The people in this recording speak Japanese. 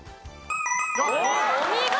お見事！